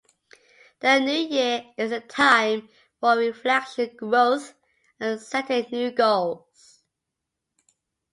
The New Year is a time for reflection, growth, and setting new goals.